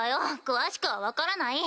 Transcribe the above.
詳しくは分からない！